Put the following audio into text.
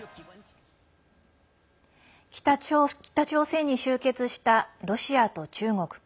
北朝鮮に集結したロシアと中国。